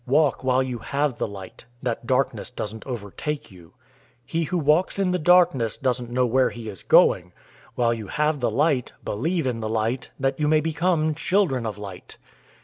Walk while you have the light, that darkness doesn't overtake you. He who walks in the darkness doesn't know where he is going. 012:036 While you have the light, believe in the light, that you may become children of light."